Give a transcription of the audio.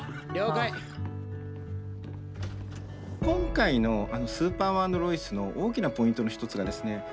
今回の「スーパーマン＆ロイス」の大きなポイントの一つがですね